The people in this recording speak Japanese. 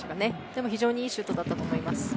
でも非常にいいシュートだったと思います。